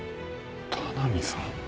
田波さん？